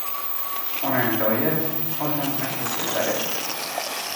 Onam doya, otam avtoslesar edi.